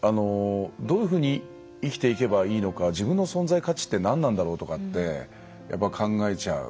どういうふうに生きていけばいいのか自分の存在価値ってなんなんだろうとかってやっぱ、考えちゃう。